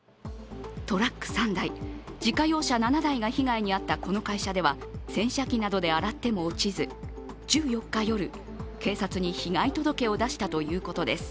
トラック３台、自家用車７台が被害に遭ったこの会社では洗車機などで洗っても落ちず、１４日夜、警察に被害届を出したということです。